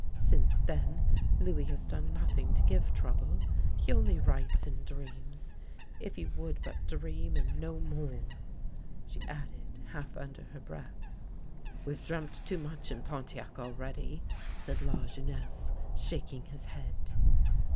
" Since then Louis has done nothing to give trou ble. He only writes and dreams. If he would but dream and no more !" she added half under her breath. " We've dreamt too much in Pontiac already," said Lajeunesse, shaking his head.